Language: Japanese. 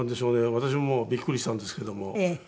私もびっくりしたんですけども。